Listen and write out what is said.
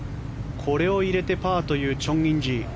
これを入れてパーというチョン・インジ。